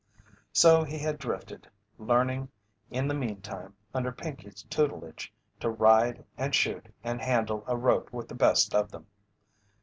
So he had drifted, learning in the meantime under Pinkey's tutelage to ride and shoot and handle a rope with the best of them.